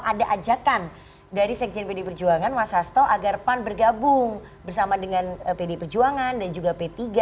ada ajakan dari sekjen pdi perjuangan mas hasto agar pan bergabung bersama dengan pd perjuangan dan juga p tiga